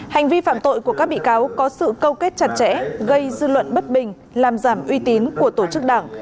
hành vi phạm tội của các bị cáo có sự câu kết chặt chẽ gây dư luận bất bình làm giảm uy tín của tổ chức đảng